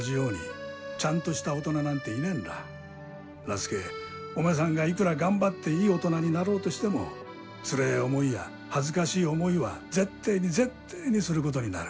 すけおめさんがいくら頑張っていい大人になろうとしてもつれえ思いや恥ずかしい思いは絶対に絶対にすることになる。